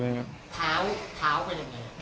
เท้าเป็นอย่างไร